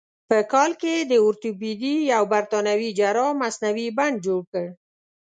په کال کې د اورتوپیدي یو برتانوي جراح مصنوعي بند جوړ کړ.